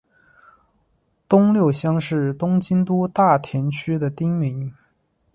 东六乡是东京都大田区的町名。